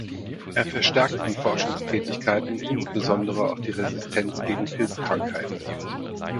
Er verstärkte die Forschungstätigkeiten insbesondere auf die Resistenz gegen Pilzkrankheiten.